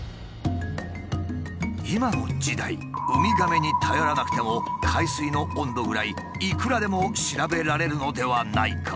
今の時代ウミガメに頼らなくても海水の温度ぐらいいくらでも調べられるのではないか？